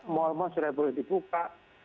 mall sudah boleh dibuka